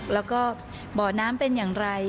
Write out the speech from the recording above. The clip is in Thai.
แล้วก็บ่อน้ำเป็นอย่างไร